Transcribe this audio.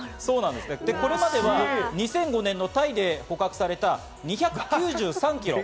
これまでは２００５年のタイで捕獲された２９３キロ。